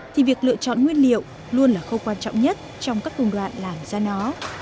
thì việc lựa chọn nguyên liệu luôn là khâu quan trọng nhất trong các công đoạn làm ra nó